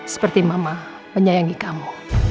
seperti mama menyayangi kamu